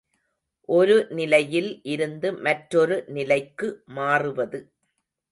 ஒரு நிலையில் இருந்து மற்றொரு நிலைக்கு மாறுவது.